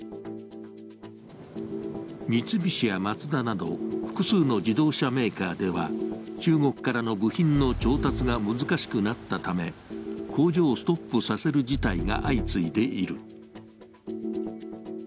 三菱やマツダなど、複数の自動車メーカーでは中国からの部品の調達が難しくなったため、工場をストップさせる事態が相次いでいる。